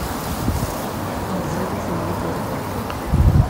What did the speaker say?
Mazal-iten d igerdan.